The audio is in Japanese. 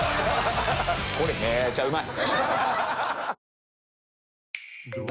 これめっちゃうまい！